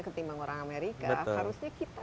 ketimbang orang amerika harusnya kita